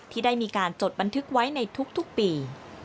ที่ได้มีการจดบันทึกไว้ในทุกปี